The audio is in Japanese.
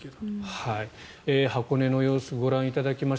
箱根の様子をご覧いただきました。